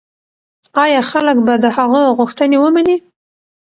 ایا خلک به د هغه غوښتنې ومني؟